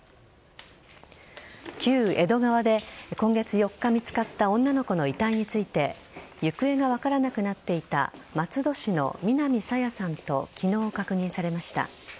旧江戸川で今月４日見つかった女の子の遺体について行方が分からなくなっていた松戸市の南朝芽さんと昨日確認されました。